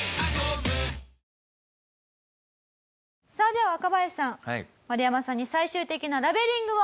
では若林さんマルヤマさんに最終的なラベリングを。